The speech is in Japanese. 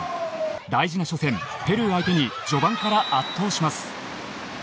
大事な初戦ペルー相手に序盤から圧倒します。